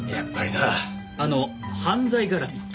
あの犯罪絡みって？